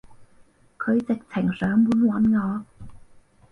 佢直情上門搵我